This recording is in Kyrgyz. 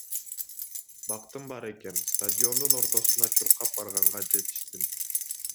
Бактым бар экен, стадиондун ортосуна чуркап барганга жетиштим.